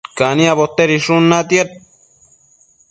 caniabo tedishun natiad